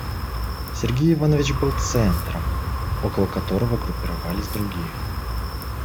Сергей Иванович был центром, около которого группировались другие.